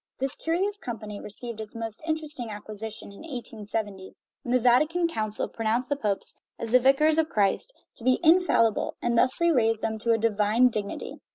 This curious com pany received its most interesting acquisition in 1870, when the Vatican Council pronounced the popes, as the vicars of Christ, to be infallible, and thus raised them to a divine dignity.